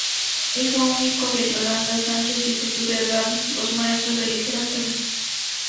Hijo único de Yolanda Sánchez y Jesús Delgado, dos maestros de Literatura.